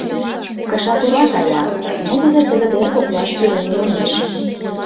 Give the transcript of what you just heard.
Кыша тура кая, нугыдо тыгыдер коклаш пӱрен йомеш.